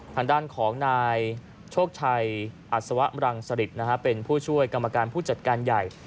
ทางด้านของนายโชคชัยอัศวะมรังสริตเป็นผู้ช่วยกรรมการผู้จัดการใหญ่